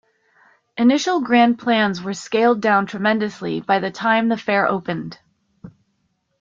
Initial grand plans were scaled down tremendously by the time the fair opened.